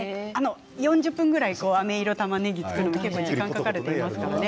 ４０分くらいあめ色たまねぎを作るのに時間がかかるといいますからね。